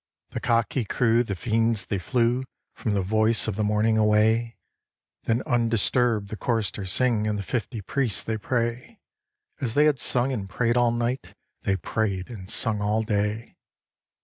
The cock he crew, the Fiends they flew From the voice of the morning away; Then undisturb'd the Choristers sing, And the fifty Priests they pray; As they had sung and pray'd all night, They pray'd and sung all day.